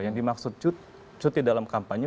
yang dimaksud cuti dalam kampanye